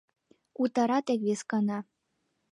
Утара тек вескана